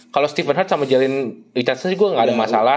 kalau stephen hart sama jalen richardson sih gue gak ada masalah